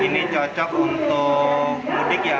ini cocok untuk mudik ya